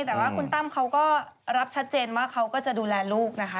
แต่ว่าคุณตั้มเขาก็รับชัดเจนว่าเขาก็จะดูแลลูกนะคะ